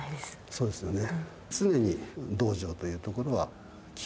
そうですよね。